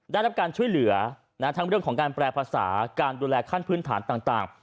ได้รับการช่วยเหลือทั้งเรื่องของการแปรภาษาการดูแลขั้นพื้นฐานต่าง